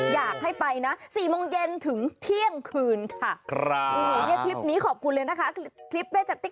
อยากให้ไปนะ๔โมงเย็นถึงเที่ยงคืนค่ะ